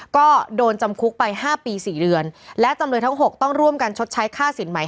ก็โดนจำคุกไปห้าปีสี่เดือนและจำเลยทั้ง๖ต้องร่วมกันชดใช้ค่าสินใหม่